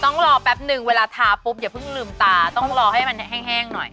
ต้องรอแป๊บนึงเวลาทาปุ๊บอย่าเพิ่งลืมตาต้องรอให้มันแห้งหน่อย